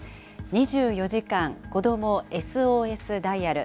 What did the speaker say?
２４時間子供ＳＯＳダイヤル。